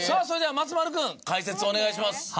それでは松丸君解説をお願いします。